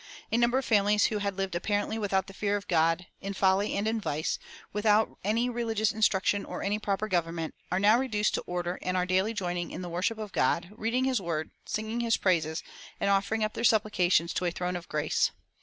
A number of families who had lived apparently without the fear of God, in folly and in vice, without any religious instruction or any proper government, are now reduced to order and are daily joining in the worship of God, reading his word, singing his praises, and offering up their supplications to a throne of grace.